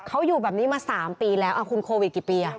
เขาอยู่แบบนี้มา๓ปีแล้วคุณโควิดกี่ปี